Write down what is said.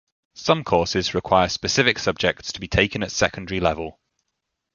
Some courses require specific subjects to be taken at secondary level.